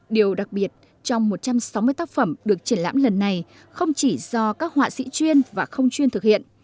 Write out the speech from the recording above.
điều đặc biệt trong một trăm sáu mươi tác phẩm được triển lãm lần này không chỉ do các họa sĩ chuyên và không chuyên thực hiện